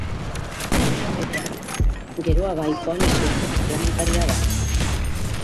Era berean, Geroa Bai koalizioko parlamentaria da.